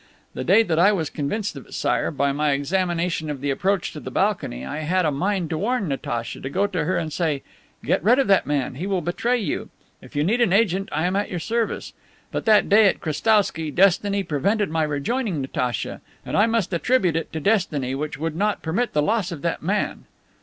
The day that I was convinced of it, Sire, by my examination of the approach to the balcony, I had a mind to warn Natacha, to go to her and say, 'Get rid of that man. He will betray you. If you need an agent, I am at your service.' But that day, at Krestowsky, destiny prevented my rejoining Natacha; and I must attribute it to destiny, which would not permit the loss of that man.